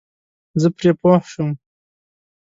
زه پرې پوه شوم.